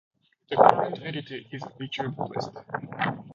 The current editor is Richard Prest.